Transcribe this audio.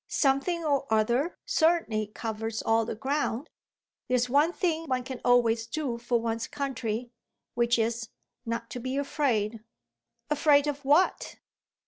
"'Something or other' certainly covers all the ground. There's one thing one can always do for one's country, which is not to be afraid." "Afraid of what?"